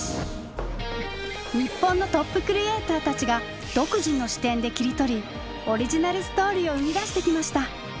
日本のトップクリエーターたちが独自の視点で切り取りオリジナルストーリーを生み出してきました。